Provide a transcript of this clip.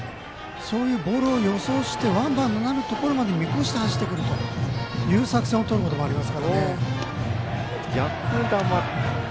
そういうボールを予想してワンバウンドになることまで見越して走ってくるという作戦をとることもありますからね。